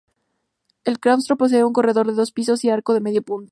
El claustro posee un corredor de dos pisos y arcos de medio punto.